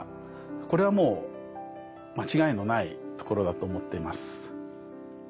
これはもう間違いのないところだと思っています。